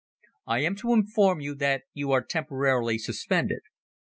"I am to inform you that you are temporarily suspended."